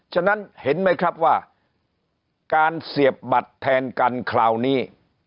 ฉะนั้นเห็นไหมครับว่าการเสียบบัตรแทนกันคราวนี้